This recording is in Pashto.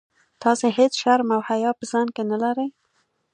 تاسي هیڅ شرم او حیا په ځان کي نه لرئ.